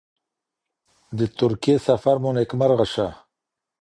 د ترکیې سفر مو نیکمرغه شه.